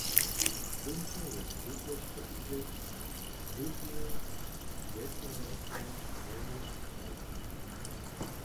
Skónčnje je swětleško widźeć, zdychny wjesnjanosta Helmut Krawc.